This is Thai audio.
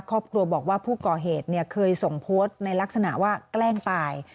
ครอบครัวบอกว่าผู้ก่อเหตุเคยส่งโพสต์ในลักษณะว่าแกล้งตาย